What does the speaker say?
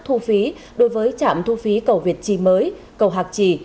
thu phí đối với trạm thu phí cầu việt trì mới cầu hạc trì